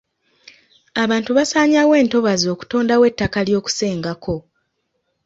Abantu basaanyawo entobazi okutondawo ettaka ly'okusenga ko.